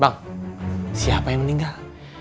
bang siapa yang meninggal